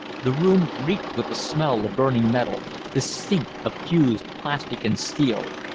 The room reeked with the smell of burning metal, the stink of fused plastic and steel.